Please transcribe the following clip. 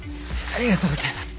ありがとうございます。